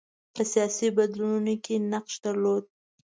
په سیاسي بدلونونو کې یې نقش درلود.